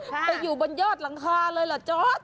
ไปอยู่บนยอดหลังคาเลยเหรอจอร์ด